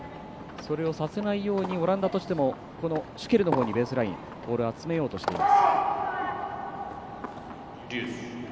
それをさせないようにオランダとしてもこのシュケルのほうにベースラインボールを集めようとしています。